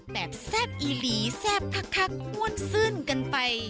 แซ่บอีหลีแซ่บคักอ้วนซื่นกันไป